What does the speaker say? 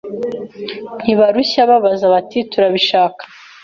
Ntibarushya babaza bati turabishaka